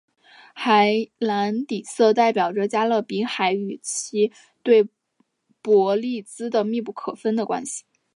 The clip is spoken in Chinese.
海蓝底色代表着加勒比海与其对伯利兹的密不可分的关系。